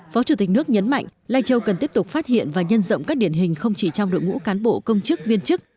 phó chủ tịch nước nhấn mạnh lai châu cần tiếp tục phát hiện và nhân rộng các điển hình không chỉ trong đội ngũ cán bộ công chức viên chức